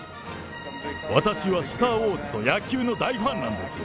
私はスター・ウォーズと野球の大ファンなんですよ。